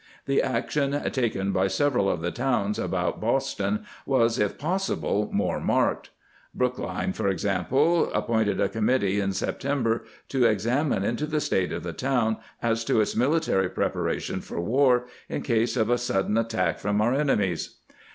^ The action taken by several of the towns about Boston was if possible more marked. Brookline, for example, appointed a committee in Septem ber to examine into the state of the town as to its military preparation for war " in case of a suden attack from our enemies."